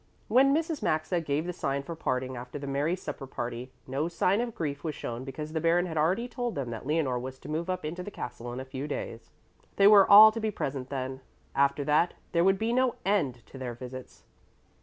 When Mrs. Maxa gave the sign for parting after the merry supper party, no sign of grief was shown because the Baron had already told them that Leonore was to move up into the castle in a few days. They were all to be present then. After that there would be no end to their visits.